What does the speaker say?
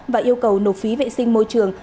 và yêu cầu nộp phí vệ sinh môi trường